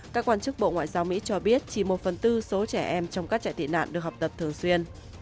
các quan chức bộ ngoại giao mỹ cho biết chỉ một phần tư số trẻ em trong các trại tị nạn được học tập thường xuyên